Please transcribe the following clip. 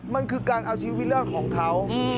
มันคือการเอาชีวิตรอดของเขา